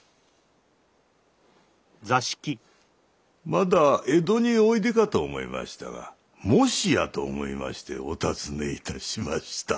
まだ江戸においでかと思いましたがもしやと思いましてお訪ね致しました。